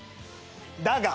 だが。